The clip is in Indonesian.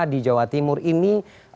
di jawa timur ini